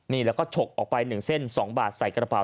เขาก็ชกออกไป๑เส้น๒บาทใส่กระเป๋า